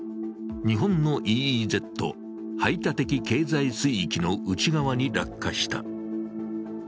日本のＥＥＺ＝排他的経済水域の内側に落下した。